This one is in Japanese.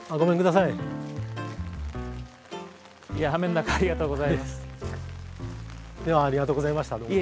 昨日はありがとうございましたどうも。